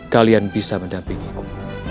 kalian bisa mendampingiku